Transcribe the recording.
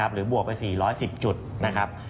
บวกไป๔๑๐จุดนะครับ